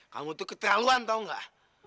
kamu tuh keterlaluan tau gak